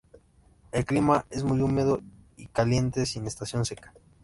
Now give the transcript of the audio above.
El clima es muy húmedo y caliente, sin estación seca.